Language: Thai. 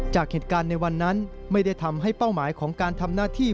จากเหตุการณ์ในวันนั้นไม่ได้ทำให้เป้าหมายของการทำหน้าที่